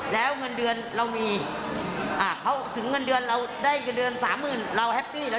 แต่พอของคนด้วยในงานยังต้องกินแผนสัตว์แล้วล่ะ